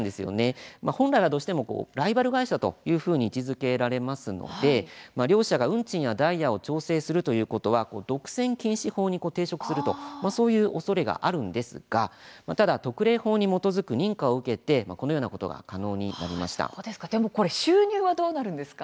本来は、どうしてもライバル会社というふうに位置づけられますので業者が運賃やダイヤを調整するということは独占禁止法に抵触するおそれがあるんですがただ特例法に基づく認可を受けてこのようなことが収入はどうなるんですか。